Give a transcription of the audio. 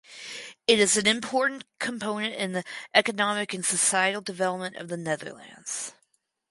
It is an important component in the economic and societal development of the Netherlands.